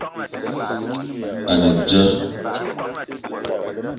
A ne dia